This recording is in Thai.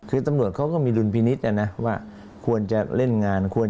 คือตำรวจเขาก็มีดุลพินิษฐ์นะว่าควรจะเล่นงาน